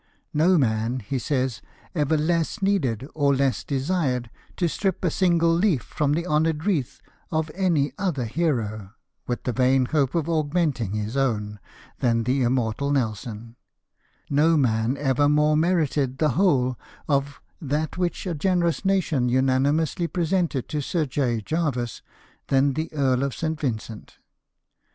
No man," he says, "ever less needed, or less desired, to strip a single leaf from the honoured wreath of any other hero, with the vain hope of augmenting his own, than the immortal Nelson ; no man ever more merited the whole of that which a generous nation unanimously presented to Sir J. Jervis than the Earl of St. Vincent."